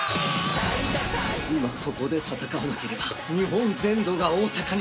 「今ここで戦わなければ日本全土が大阪になってしまう」